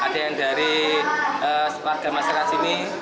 dari sebagian masyarakat sini